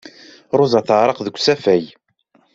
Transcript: Ṛuza teɛreq deg usafag.